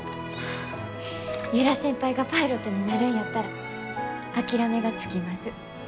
由良先輩がパイロットになるんやったら諦めがつきます。